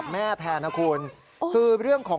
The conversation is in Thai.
สวัสดีครับทุกคน